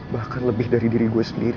bahkan lebih dari diri gue sendiri